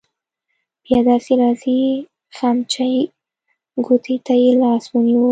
بیا داسې راځې خمچۍ ګوتې ته يې لاس ونیو.